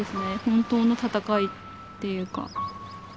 本当の闘いっていうか。